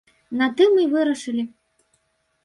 На тым і вырашылі.